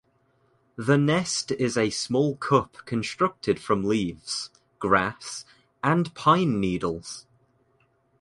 The nest is a small cup constructed from leaves, grass, and pine needles.